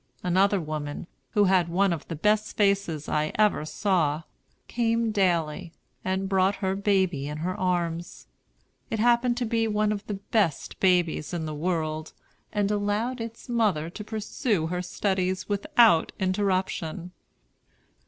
Another woman, who had one of the best faces I ever saw, came daily, and brought her baby in her arms. It happened to be one of the best babies in the world, and allowed its mother to pursue her studies without interruption.